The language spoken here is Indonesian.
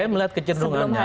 saya melihat kecenderungannya